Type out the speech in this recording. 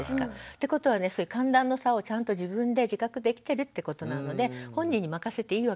ってことは寒暖の差をちゃんと自分で自覚できてるってことなので本人に任せていいわけですよ。